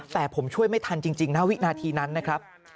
แต่ผมช่วยไม่ทันจริงนะวินาทีนั้นนะครับ